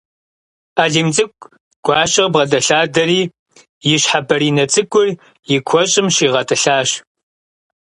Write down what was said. Алим цӏыкӏу Гуащэ къыбгъэдэлъадэри, и щхьэ бэринэ цӏыкӏур и куэщӏым щигъэтӏылъащ.